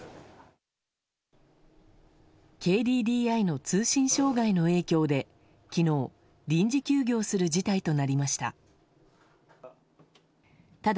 ＫＤＤＩの通信障害の影響で昨日、臨時休業する事態となりました。